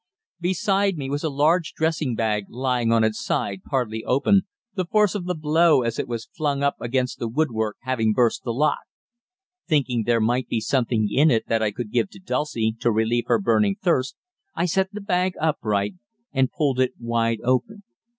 Beside me was a large dressing bag lying on its side, partly open, the force of the blow as it was flung up against the woodwork having burst the lock. Thinking there might be something in it that I could give to Dulcie to relieve her burning thirst, I set the bag upright, and pulled it wide open.